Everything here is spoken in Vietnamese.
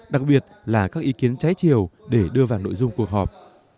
đặc biệt là các ý kiến trái chiều để đưa vào nội dung cuộc họp